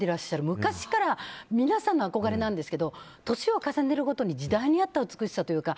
昔から皆さんの憧れなんですけど年を重ねるごとに時代に合った美しさというか。